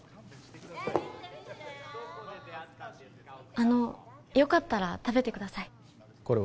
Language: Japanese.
あのよかったら食べてくださいこれは？